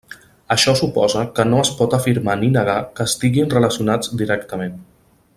Això suposa que no es pot afirmar ni negar que estiguin relacionats directament.